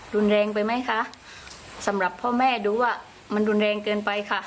รุนแรงไปไหมคะสำหรับพ่อแม่ดูว่ามันรุนแรงเกินไปค่ะ